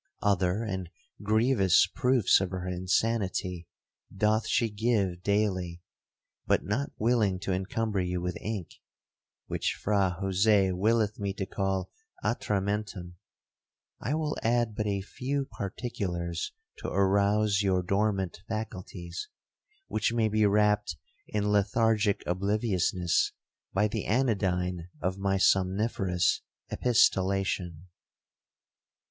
Other and grievous proofs of her insanity doth she give daily; but not willing to incumber you with ink, (which Fra Jose willeth me to call atramentum), I will add but a few particulars to arouse your dormant faculties, which may be wrapt in lethargic obliviousness by the anodyne of my somniferous epistolation.'